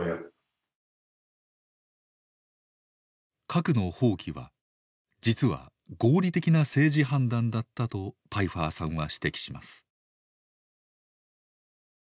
核の放棄は実は合理的な政治判断だったとパイファーさんは指摘します。